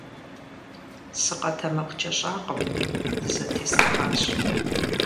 СыкъэтэмакъкӀэщӀакъым, зызэтесӀыгъащ.